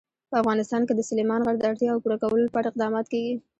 په افغانستان کې د سلیمان غر د اړتیاوو پوره کولو لپاره اقدامات کېږي.